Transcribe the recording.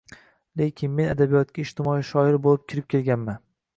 Lekin men adabiyotga ijtimoiy shoir bo‘lib kirib kelganman.